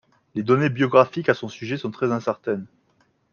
Les données biographiques à son sujet sont très incertaines.